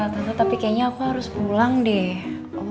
tentu tapi kayaknya aku harus pulang deh